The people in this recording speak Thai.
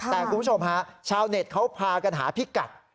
แต่คุณผู้ชมฮะชาวเน็ตเขาพากันหาพิกัด